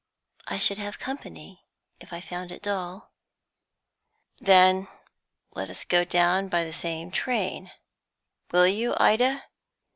"I should have company, if I found it dull." "Then let us go down by the same train will you, Ida?"